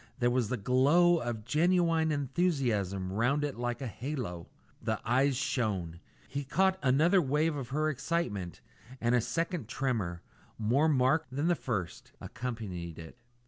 There was the glow of genuine enthusiasm round it like a halo. The eyes shone. He caught another wave of her excitement, and a second tremor, more marked than the first, accompanied it.